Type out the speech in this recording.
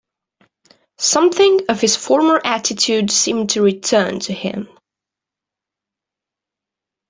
Something of his former attitude seemed to return to him.